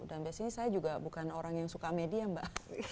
dan biasanya saya juga bukan orang yang suka media mbak